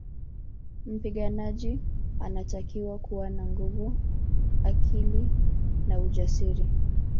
Mpiganaji anatakiwa kuwa na nguvu akili na ujasiri